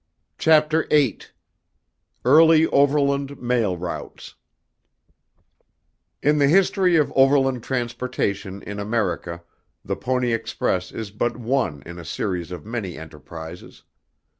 Chapter VIII Early Overland Mail Routes In the history of overland transportation in America, the Pony Express is but one in a series of many enterprises.